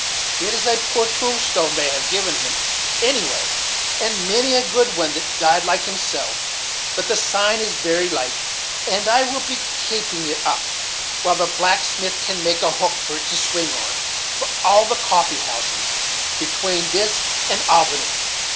It is a poor tombstone they have given him, anyway, and many a good one that died like himself; but the sign is very like, and I will be kapeing it up, while the blacksmith can make a hook for it to swing on, for all the 'coffee houses' betwane this and Albany."